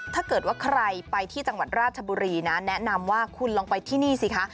ถ้าเกิดว่าใครไปที่จังหวัดราชบุรีนะแนะนำว่าคุณลองไปที่นี่สิคะ